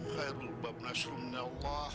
khairul babnashrum ya allah